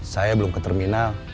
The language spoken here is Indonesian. saya belum ke terminal